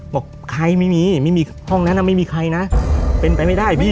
บอกใครไม่มีไม่มีห้องนั้นไม่มีใครนะเป็นไปไม่ได้พี่